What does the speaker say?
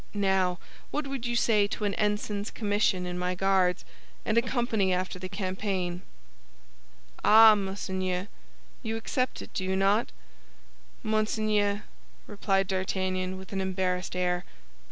Now, what would you say to an ensign's commission in my Guards, and a company after the campaign?" "Ah, monseigneur." "You accept it, do you not?" "Monseigneur," replied D'Artagnan, with an embarrassed air.